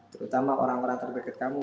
terutama orang orang terdekat kamu